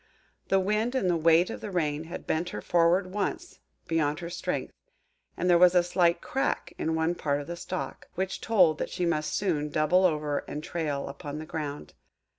The Wind and the weight of rain had bent her forward once, beyond her strength, and there was a slight crack in one part of the stalk, which told that she must soon double over and trail upon the ground.